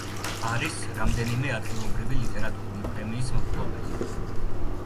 არის რამდენიმე ადგილობრივი ლიტერატურული პრემიის მფლობელი.